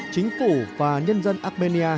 chính phủ và nhân dân armenia đã dựa